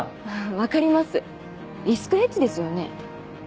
分かりますリスクヘッジですよね。